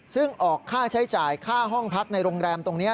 ซึ่งออกค่าใช้จ่ายค่าห้องพักในโรงแรมตรงนี้